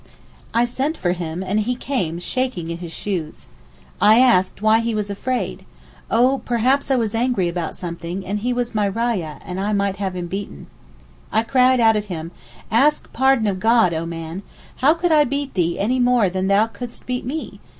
I sent for him, and he carne shaking in his shoes. I asked why he was afraid? 'Oh, perhaps I was angry about something, and he was my rayah, and I might have him beaten.' I cried out at him, 'Ask pardon of God, O man. How could I beat thee any more than thou couldst beat me?